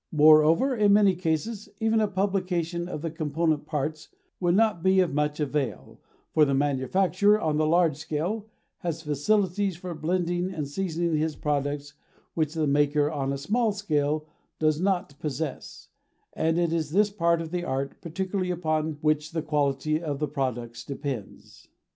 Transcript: Moreover, in many cases even a publication of the component parts would not be of much avail, for the manufacturer on the large scale has facilities for blending and seasoning his products which the maker on a small scale does not possess, and it is this part of the art particularly upon which the quality of the products depends.